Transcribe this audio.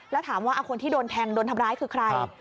แล้วถามว่าคนที่โดนแทงโดนทำร้ายคือใคร